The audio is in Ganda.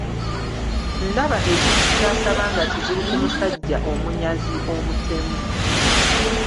Ndaba ekintu ky'asaba nga kizibu ku musajja omunyazi omutemu.